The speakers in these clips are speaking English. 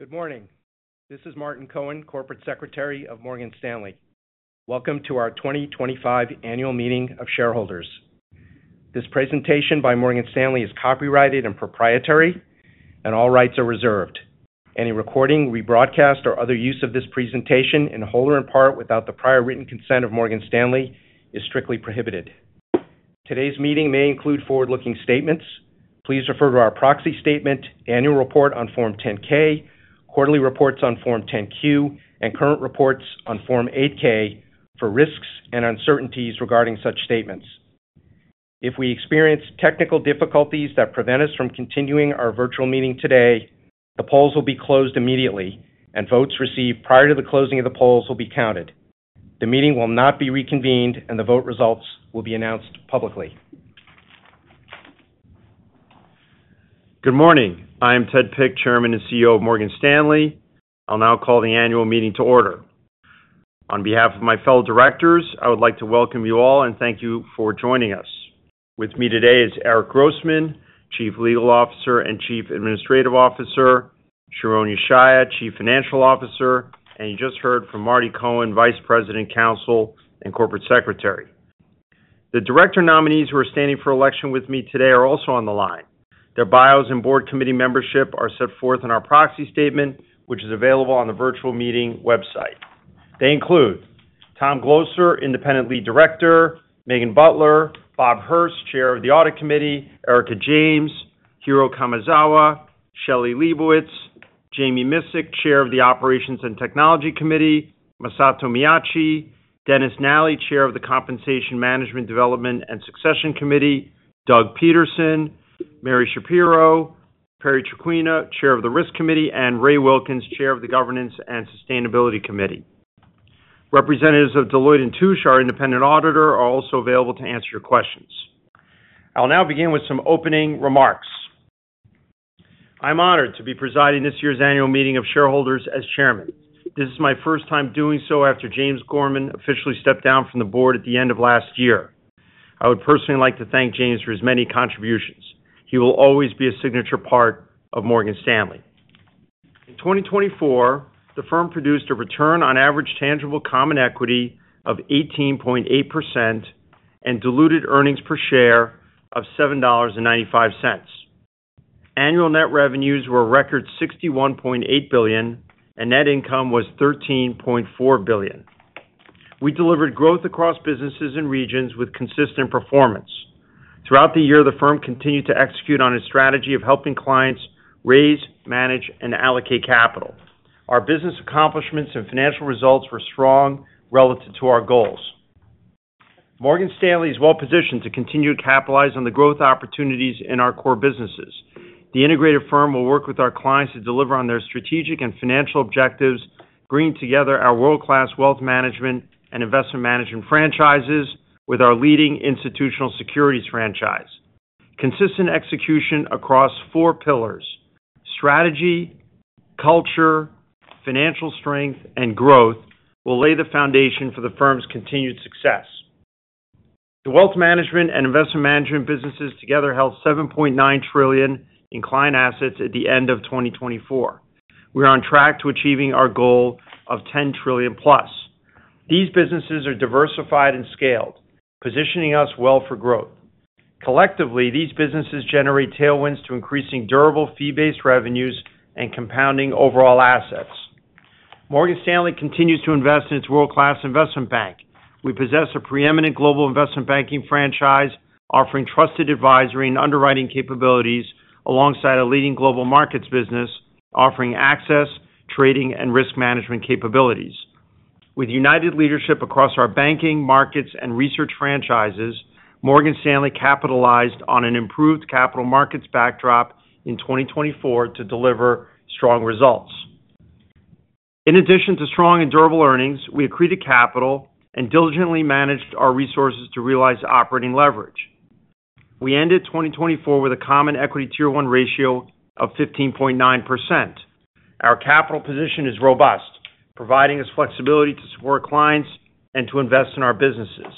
Good morning. This is Martin Cohen, Corporate Secretary of Morgan Stanley. Welcome to our 2025 Annual Meeting of Shareholders. This presentation by Morgan Stanley is copyrighted and proprietary, and all rights are reserved. Any recording, rebroadcast, or other use of this presentation in whole or in part without the prior written consent of Morgan Stanley is strictly prohibited. Today's meeting may include forward-looking statements. Please refer to our proxy statement, annual report on Form 10-K, quarterly reports on Form 10-Q, and current reports on Form 8-K for risks and uncertainties regarding such statements. If we experience technical difficulties that prevent us from continuing our virtual meeting today, the polls will be closed immediately, and votes received prior to the closing of the polls will be counted. The meeting will not be reconvened, and the vote results will be announced publicly. Good morning. I am Ted Pick, Chairman and CEO of Morgan Stanley. I'll now call the annual meeting to order. On behalf of my fellow directors, I would like to welcome you all and thank you for joining us. With me today is Eric Grossman, Chief Legal Officer and Chief Administrative Officer; Sharon Yeshaya, Chief Financial Officer; and you just heard from Martin Cohen, Vice President Counsel, and Corporate Secretary. The director nominees who are standing for election with me today are also on the line. Their bios and board committee membership are set forth in our proxy statement, which is available on the virtual meeting website. They include Tom Glocer, Independent Lead Director, Megan Butler, Bob Herz, Chair of the Audit Committee, Erika James, Hiro Kamezawa, Shelley Leibowitz, Jami Miscik, Chair of the Operations and Technology Committee, Masato Miyachi, Dennis Nally, Chair of the Compensation, Management Development and Succession Committee, Doug Peterson, Mary Schapiro, Perry Traquina, Chair of the Risk Committee, and Ray Wilkins, Chair of the Governance and Sustainability Committee. Representatives of Deloitte & Touche, our independent auditor, are also available to answer your questions. I'll now begin with some opening remarks. I'm honored to be presiding this year's annual meeting of shareholders as Chairman. This is my first time doing so after James Gorman officially stepped down from the board at the end of last year. I would personally like to thank James for his many contributions. He will always be a signature part of Morgan Stanley. In 2024, the firm produced a return on average tangible common equity of 18.8% and diluted earnings per share of $7.95. Annual net revenues were a record $61.8 billion, and net income was $13.4 billion. We delivered growth across businesses and regions with consistent performance. Throughout the year, the firm continued to execute on its strategy of helping clients raise, manage, and allocate capital. Our business accomplishments and financial results were strong relative to our goals. Morgan Stanley is well positioned to continue to capitalize on the growth opportunities in our core businesses. The integrated firm will work with our clients to deliver on their strategic and financial objectives, bringing together our world-class wealth management and investment management franchises with our leading institutional securities franchise. Consistent execution across four pillars—strategy, culture, financial strength, and growth—will lay the foundation for the firm's continued success. The wealth management and investment management businesses together held $7.9 trillion in client assets at the end of 2024. We are on track to achieving our goal of $10 trillion+. These businesses are diversified and scaled, positioning us well for growth. Collectively, these businesses generate tailwinds to increasing durable fee-based revenues and compounding overall assets. Morgan Stanley continues to invest in its world-class investment bank. We possess a preeminent global investment banking franchise offering trusted advisory and underwriting capabilities alongside a leading global markets business offering access, trading, and risk management capabilities. With united leadership across our banking, markets, and research franchises, Morgan Stanley capitalized on an improved capital markets backdrop in 2024 to deliver strong results. In addition to strong and durable earnings, we accreted capital and diligently managed our resources to realize operating leverage. We ended 2024 with a common equity tier one ratio of 15.9%. Our capital position is robust, providing us flexibility to support clients and to invest in our businesses.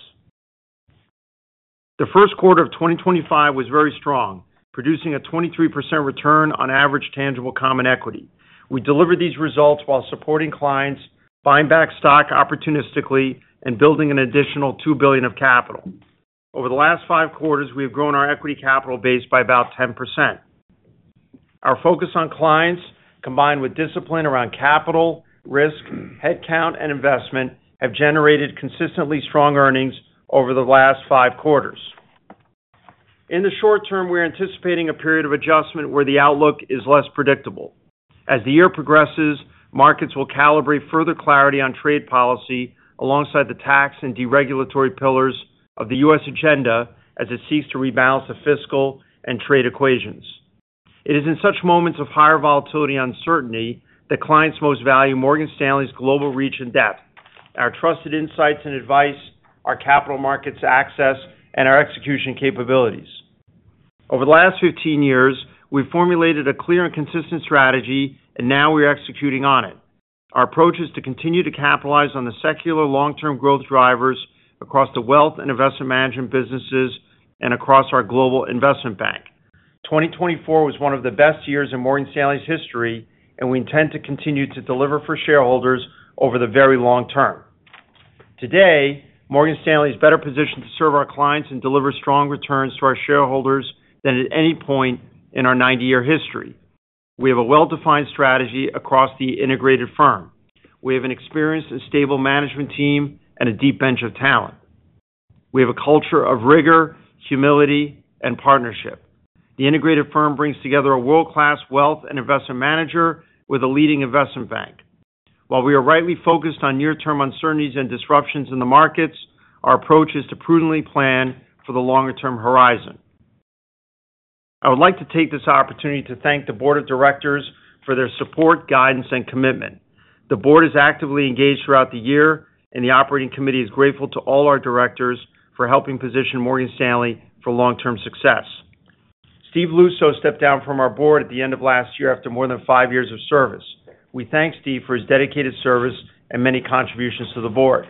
The first quarter of 2025 was very strong, producing a 23% return on average tangible common equity. We delivered these results while supporting clients, buying back stock opportunistically, and building an additional $2 billion of capital. Over the last five quarters, we have grown our equity capital base by about 10%. Our focus on clients, combined with discipline around capital, risk, headcount, and investment, have generated consistently strong earnings over the last five quarters. In the short term, we are anticipating a period of adjustment where the outlook is less predictable. As the year progresses, markets will calibrate further clarity on trade policy alongside the tax and deregulatory pillars of the U.S. agenda as it seeks to rebalance the fiscal and trade equations. It is in such moments of higher volatility and uncertainty that clients most value Morgan Stanley's global reach and depth, our trusted insights and advice, our capital markets access, and our execution capabilities. Over the last 15 years, we've formulated a clear and consistent strategy, and now we are executing on it. Our approach is to continue to capitalize on the secular long-term growth drivers across the wealth and investment management businesses and across our global investment bank. 2024 was one of the best years in Morgan Stanley's history, and we intend to continue to deliver for shareholders over the very long term. Today, Morgan Stanley is better positioned to serve our clients and deliver strong returns to our shareholders than at any point in our 90-year history. We have a well-defined strategy across the integrated firm. We have an experienced and stable management team and a deep bench of talent. We have a culture of rigor, humility, and partnership. The integrated firm brings together a world-class wealth and investment manager with a leading investment bank. While we are rightly focused on near-term uncertainties and disruptions in the markets, our approach is to prudently plan for the longer-term horizon. I would like to take this opportunity to thank the board of directors for their support, guidance, and commitment. The board is actively engaged throughout the year, and the operating committee is grateful to all our directors for helping position Morgan Stanley for long-term success. Steve Luczo stepped down from our board at the end of last year after more than five years of service. We thank Steve for his dedicated service and many contributions to the board.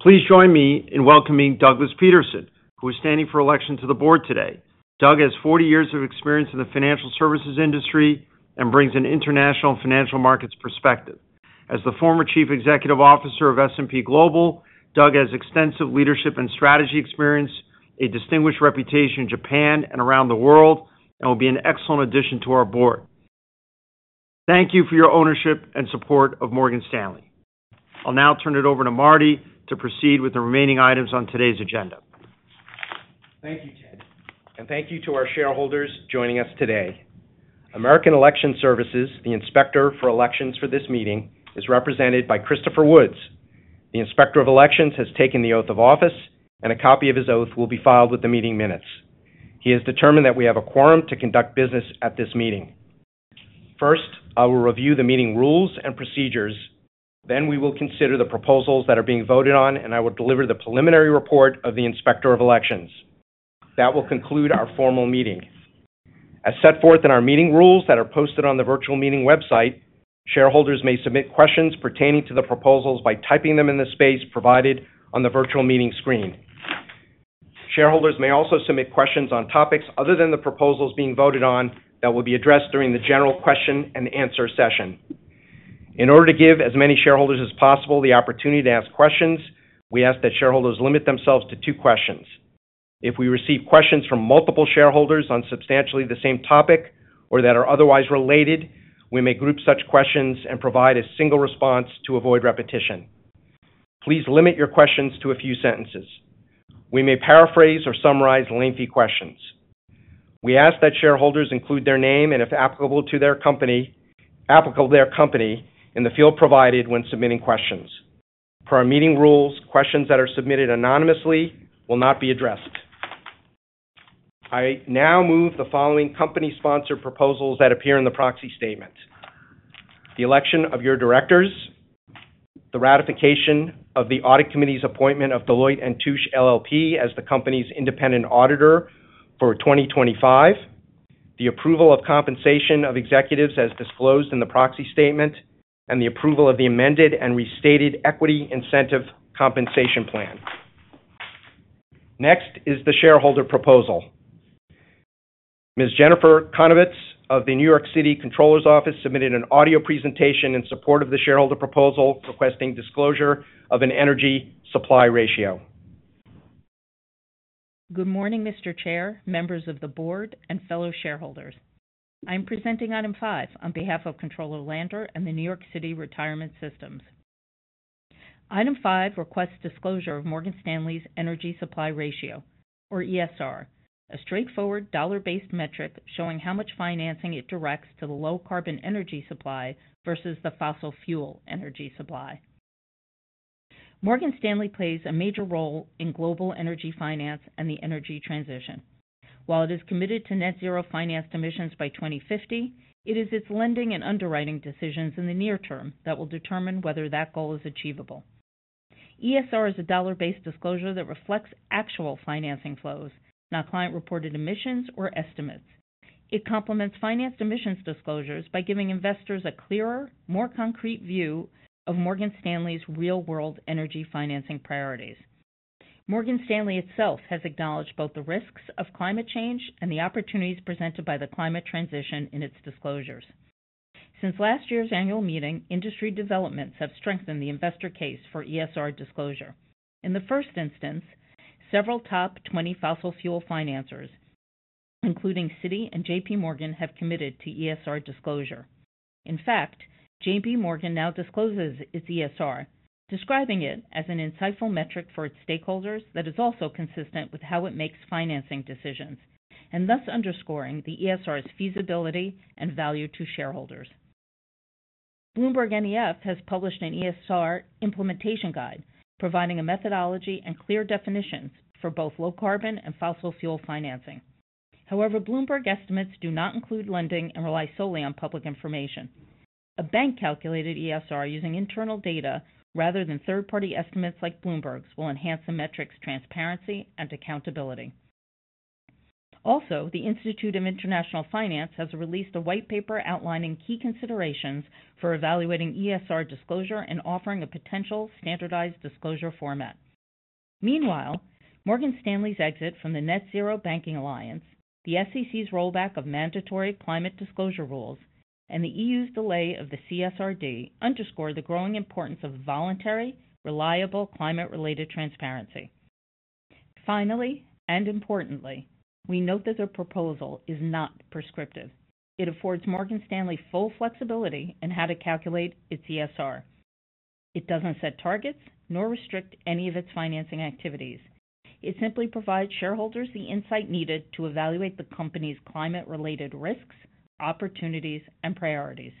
Please join me in welcoming Douglas Peterson, who is standing for election to the board today. Doug has 40 years of experience in the financial services industry and brings an international financial markets perspective. As the former Chief Executive Officer of S&P Global, Doug has extensive leadership and strategy experience, a distinguished reputation in Japan and around the world, and will be an excellent addition to our board. Thank you for your ownership and support of Morgan Stanley. I'll now turn it over to Marty to proceed with the remaining items on today's agenda. Thank you, Ted. Thank you to our shareholders joining us today. American Election Services, the inspector for elections for this meeting, is represented by Christopher Woods. The inspector of elections has taken the oath of office, and a copy of his oath will be filed with the meeting minutes. He has determined that we have a quorum to conduct business at this meeting. First, I will review the meeting rules and procedures. We will consider the proposals that are being voted on, and I will deliver the preliminary report of the inspector of elections. That will conclude our formal meeting. As set forth in our meeting rules that are posted on the virtual meeting website, shareholders may submit questions pertaining to the proposals by typing them in the space provided on the virtual meeting screen. Shareholders may also submit questions on topics other than the proposals being voted on that will be addressed during the general question-and-answer session. In order to give as many shareholders as possible the opportunity to ask questions, we ask that shareholders limit themselves to two questions. If we receive questions from multiple shareholders on substantially the same topic or that are otherwise related, we may group such questions and provide a single response to avoid repetition. Please limit your questions to a few sentences. We may paraphrase or summarize lengthy questions. We ask that shareholders include their name and, if applicable to their company, in the field provided when submitting questions. Per our meeting rules, questions that are submitted anonymously will not be addressed. I now move the following company-sponsored proposals that appear in the proxy statement: the election of your directors, the ratification of the Audit Committee's appointment of Deloitte & Touche LLP as the company's independent auditor for 2025, the approval of compensation of executives as disclosed in the proxy statement, and the approval of the Amended and Restated Equity Incentive Compensation Plan. Next is the shareholder proposal. Ms. Jennifer Konowitz of the New York City Comptroller's Office submitted an audio presentation in support of the shareholder proposal requesting disclosure of an Energy Supply Ratio. Good morning, Mr. Chair, members of the board, and fellow shareholders. I'm presenting item five on behalf of Comptroller Lander and the New York City Retirement Systems. Item five requests disclosure of Morgan Stanley's Energy Supply Ratio, or ESR, a straightforward dollar-based metric showing how much financing it directs to the low-carbon energy supply versus the fossil fuel energy supply. Morgan Stanley plays a major role in global energy finance and the energy transition. While it is committed to net-zero financed emissions by 2050, it is its lending and underwriting decisions in the near term that will determine whether that goal is achievable. ESR is a dollar-based disclosure that reflects actual financing flows, not client-reported emissions or estimates. It complements financed emissions disclosures by giving investors a clearer, more concrete view of Morgan Stanley's real-world energy financing priorities. Morgan Stanley itself has acknowledged both the risks of climate change and the opportunities presented by the climate transition in its disclosures. Since last year's annual meeting, industry developments have strengthened the investor case for ESR disclosure. In the first instance, several top 20 fossil fuel financers, including Citi and JPMorgan, have committed to ESR disclosure. In fact, JPMorgan now discloses its ESR, describing it as an insightful metric for its stakeholders that is also consistent with how it makes financing decisions, and thus underscoring the ESR's feasibility and value to shareholders. BloombergNEF has published an ESR implementation guide, providing a methodology and clear definitions for both low-carbon and fossil fuel financing. However, Bloomberg estimates do not include lending and rely solely on public information. A bank calculated ESR using internal data rather than third-party estimates like Bloomberg's will enhance the metric's transparency and accountability. Also, the Institute of International Finance has released a white paper outlining key considerations for evaluating ESR disclosure and offering a potential standardized disclosure format. Meanwhile, Morgan Stanley's exit from the net-zero banking alliance, the SEC's rollback of mandatory climate disclosure rules, and the EU's delay of the CSRD underscore the growing importance of voluntary, reliable climate-related transparency. Finally, and importantly, we note that the proposal is not prescriptive. It affords Morgan Stanley full flexibility in how to calculate its ESR. It doesn't set targets nor restrict any of its financing activities. It simply provides shareholders the insight needed to evaluate the company's climate-related risks, opportunities, and priorities.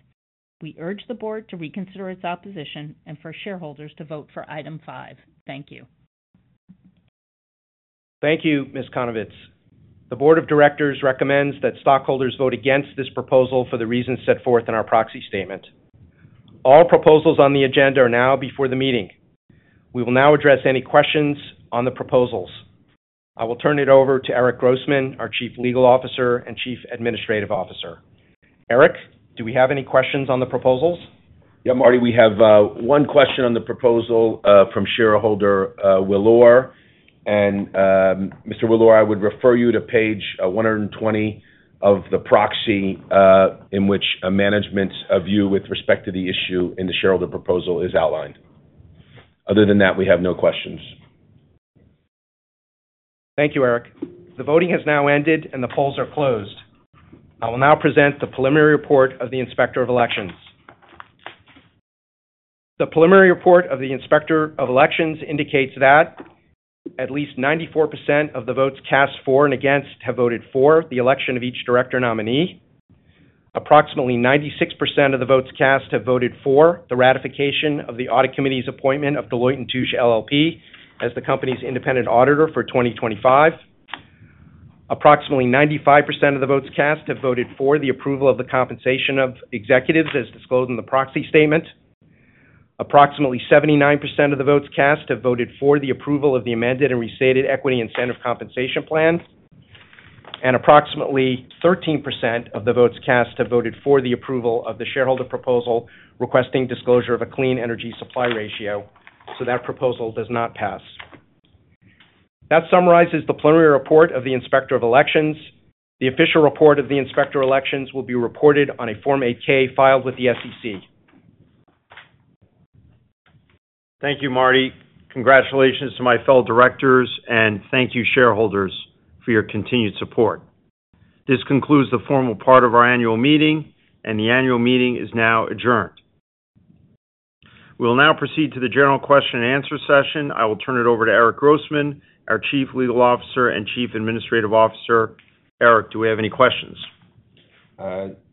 We urge the board to reconsider its opposition and for shareholders to vote for item five. Thank you. Thank you, Ms. Konowitz. The board of directors recommends that stockholders vote against this proposal for the reasons set forth in our proxy statement. All proposals on the agenda are now before the meeting. We will now address any questions on the proposals. I will turn it over to Eric Grossman, our Chief Legal Officer and Chief Administrative Officer. Eric, do we have any questions on the proposals? Yeah, Marty, we have one question on the proposal from shareholder [Willor]. Mr. [Willor], I would refer you to page 120 of the proxy in which a management view with respect to the issue in the shareholder proposal is outlined. Other than that, we have no questions. Thank you, Eric. The voting has now ended and the polls are closed. I will now present the preliminary report of the inspector of elections. The preliminary report of the inspector of elections indicates that at least 94% of the votes cast for and against have voted for the election of each director nominee. Approximately 96% of the votes cast have voted for the ratification of the Audit Committee's appointment of Deloitte & Touche LLP as the company's independent auditor for 2025. Approximately 95% of the votes cast have voted for the approval of the compensation of executives as disclosed in the proxy statement. Approximately 79% of the votes cast have voted for the approval of the Amended and Restated Equity Incentive Compensation Plan. Approximately 13% of the votes cast have voted for the approval of the shareholder proposal requesting disclosure of a clean energy supply ratio. That proposal does not pass. That summarizes the preliminary report of the inspector of elections. The official report of the inspector of elections will be reported on a Form 8-K filed with the SEC. Thank you, Marty. Congratulations to my fellow directors, and thank you, shareholders, for your continued support. This concludes the formal part of our annual meeting, and the annual meeting is now adjourned. We will now proceed to the general question-and-answer session. I will turn it over to Eric Grossman, our Chief Legal Officer and Chief Administrative Officer. Eric, do we have any questions?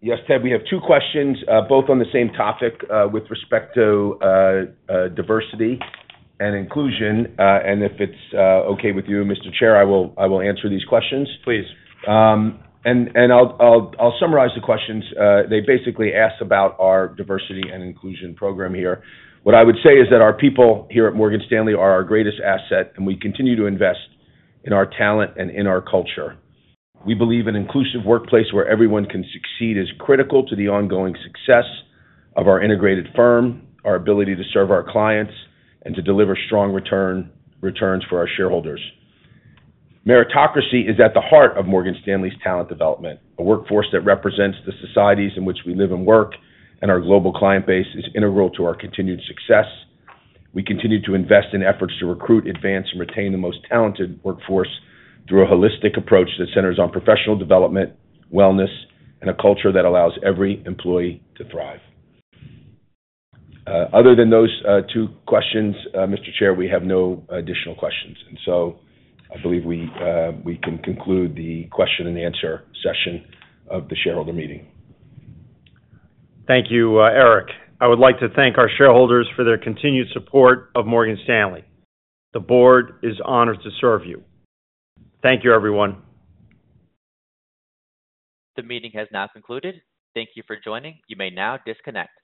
Yes, Ted, we have two questions, both on the same topic with respect to diversity and inclusion. If it's okay with you, Mr. Chair, I will answer these questions. Please. I'll summarize the questions. They basically ask about our diversity and inclusion program here. What I would say is that our people here at Morgan Stanley are our greatest asset, and we continue to invest in our talent and in our culture. We believe an inclusive workplace where everyone can succeed is critical to the ongoing success of our integrated firm, our ability to serve our clients, and to deliver strong returns for our shareholders. Meritocracy is at the heart of Morgan Stanley's talent development, a workforce that represents the societies in which we live and work, and our global client base is integral to our continued success. We continue to invest in efforts to recruit, advance, and retain the most talented workforce through a holistic approach that centers on professional development, wellness, and a culture that allows every employee to thrive. Other than those two questions, Mr. Chair, we have no additional questions. I believe we can conclude the question-and-answer session of the shareholder meeting. Thank you, Eric. I would like to thank our shareholders for their continued support of Morgan Stanley. The board is honored to serve you. Thank you, everyone. The meeting has now concluded. Thank you for joining. You may now disconnect.